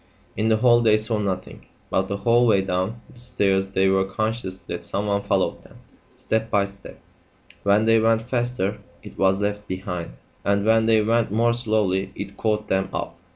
In the hall they saw nothing, but the whole way down the stairs they were conscious that someone followed them; step by step; when they went faster IT was left behind, and when they went more slowly IT caught them up.